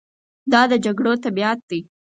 دا د جګړو طبیعت دی.